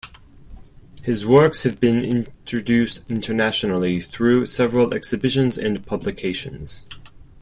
His works have been introduced internationally through several exhibitions and publications.